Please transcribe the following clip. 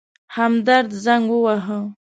همدرد زنګ وواهه.